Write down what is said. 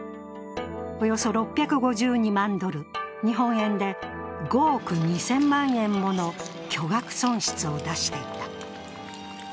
およそ６５２万ドル、日本円で５億２０００万円もの巨額損失を出していた。